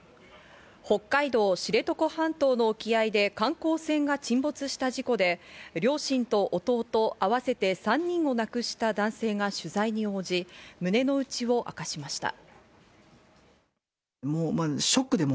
北海道・知床半島の沖合で観光船が沈没した事故で、両親と弟、合わせて３人を亡くした男性が取材に応じ、胸の内を明かしました。